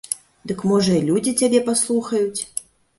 Дык, можа, і людзі цябе паслухаюць.